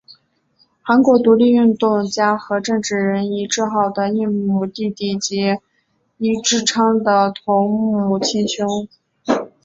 韩国独立运动家和政治人尹致昊的异母弟弟及尹致昌的同母亲兄。